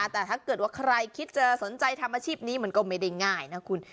แต่ถ้าเกิดว่าใครคิดจะสนใจทำอาชีพนี้มันก็ไม่ได้ง่ายนะคุณ